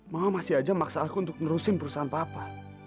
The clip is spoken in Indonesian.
mama masih aja maksaku untuk ngerusin perusahaan papa